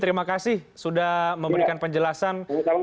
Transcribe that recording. terima kasih sudah memberikan penjelasan